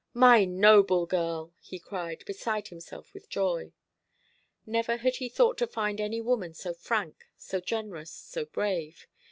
"My noble girl!" he cried, beside himself with joy. Never had he thought to find any woman so frank, so generous, so brave.